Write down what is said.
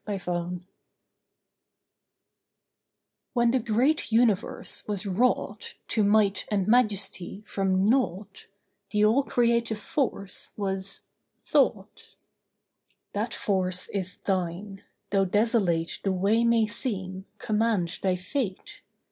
THE LAW When the great universe was wrought To might and majesty from naught, The all creative force was— Thought. That force is thine. Though desolate The way may seem, command thy fate.